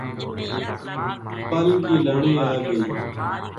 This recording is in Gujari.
پل کی لانی آگئی